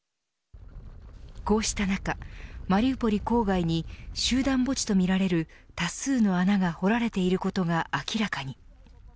こうした中、マリウポリ郊外に集団墓地とみられる多数の穴が掘られていることが明らかに。